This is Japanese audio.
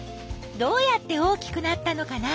どうやって大きくなったのかな？